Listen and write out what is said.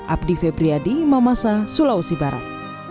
abdi febriyadi mamasa sulawesi barat